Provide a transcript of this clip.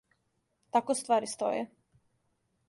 Тако ствари стоје.